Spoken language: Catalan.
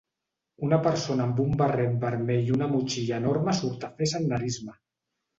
Una persona amb un barret vermell i una motxilla enorme surt a fer senderisme.